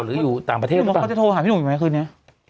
หรืออยู่ต่างประเทศหรือเปล่าพี่หนุ่มเขาจะโทรหาพี่หนุ่มอยู่ไหมคืนนี้